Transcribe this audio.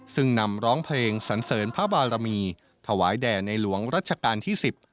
ซึ่งนำร้องเพลงสันเสริญพระบารมีถวายแด่ในหลวงรัชกาลที่๑๐